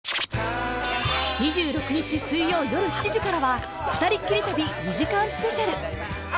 ２６日水曜よる７時からは『ふたりっきり旅』２時間スペシャル